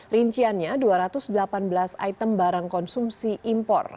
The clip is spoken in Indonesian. rinciannya dua ratus delapan belas item barang konsumsi impor